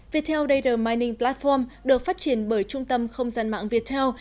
viettel data mining platform được phát triển bởi trung tâm không gian mạng viettel